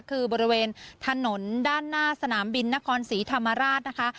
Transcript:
คือบริเวณถนนด้านหน้าสนามบินนครศรีธรรมราชนะคะ